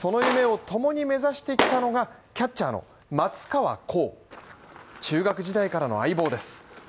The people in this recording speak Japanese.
プロの世界へ、その夢を共に目指してきたのがキャッチャーの松川虎生中学時代からの相棒です。